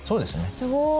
すごい。